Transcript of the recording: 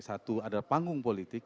satu ada panggung politik